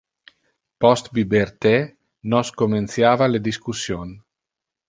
Post biber the, nos comenciava le discussion.